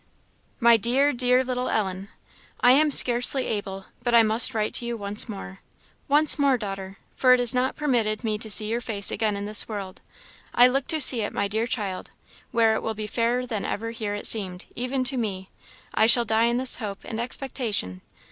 "MY DEAR, DEAR LITTLE ELLEN, "I am scarcely able but I must write to you once more. Once more, daughter, for it is not permitted me to see your face again in this world. I look to see it, my dear child, where it will be fairer than ever here it seemed, even to me. I shall die in this hope and expectation.